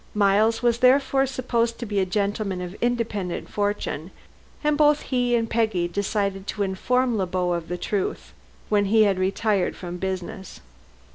Miles was therefore supposed to be a gentleman of independent fortune, and both he and Peggy decided to inform Le Beau of the truth when he had retired from business.